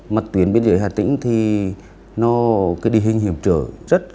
mặt tuyến biên giới hà tĩnh thì nó cái địa hình hiểm trở rất